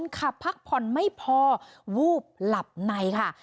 ขับพักผ่อนไม่พอวูบหลับในค่ะ